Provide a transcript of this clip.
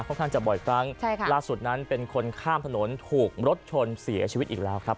ข้างจะบ่อยครั้งใช่ค่ะล่าสุดนั้นเป็นคนข้ามถนนถูกรถชนเสียชีวิตอีกแล้วครับ